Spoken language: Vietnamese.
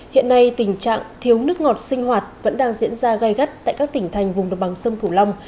hiện nay tình trạng thiếu nước ngọt sinh hoạt vẫn đang diễn ra gai gắt tại các tỉnh thành vùng độc bằng sông cửu long